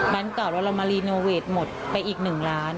วันก่อนว่าเรามารีโนเวทหมดไปอีก๑ล้าน